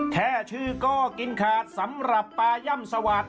แค่ชื่อก็กินขาดสำหรับปลาย่ำสวัสดิ